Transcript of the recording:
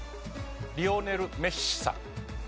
リオネル・メッシさん。